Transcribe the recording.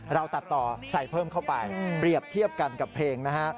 เราตัดต่อใส่เพิ่มเข้าไปเปรียบเทียบกันกับเพลงนะฮะ